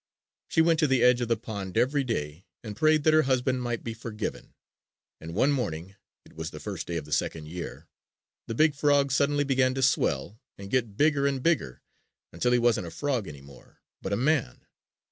She went to the edge of the pond every day and prayed that her husband might be forgiven. And one morning it was the first day of the second year the big frog suddenly began to swell and get bigger and bigger until he wasn't a frog any more, but a man.